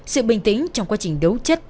sự bình tĩnh trong quá trình đấu chất